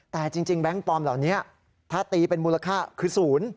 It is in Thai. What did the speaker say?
แต่จริงแบงค์ปลอมเหล่านี้ถ้าตีเป็นมูลค่าคือ๐